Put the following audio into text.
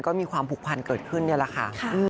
ก็มีความผูกพันเกิดขึ้นนี่แหละค่ะ